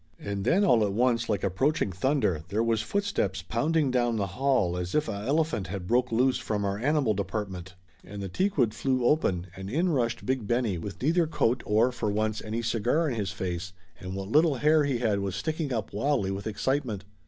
And then all at once like approaching thunder there was footsteps pounding down the hall as if a elephant had broke loose from our animal department, and the teakwood flew open and in rushed Big Benny with neither coat or, for once, any cigar in his face, and what little hair he had was sticking up wildly with ex citement.